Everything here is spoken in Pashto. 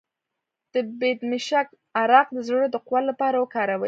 د بیدمشک عرق د زړه د قوت لپاره وکاروئ